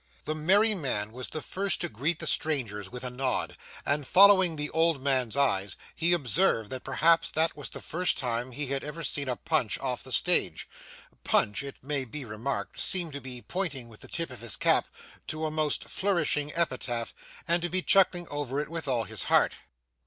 The merry man was the first to greet the strangers with a nod; and following the old man's eyes, he observed that perhaps that was the first time he had ever seen a Punch off the stage. (Punch, it may be remarked, seemed to be pointing with the tip of his cap to a most flourishing epitaph, and to be chuckling over it with all his heart.)